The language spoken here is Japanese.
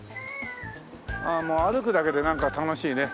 もう歩くだけでなんか楽しいね。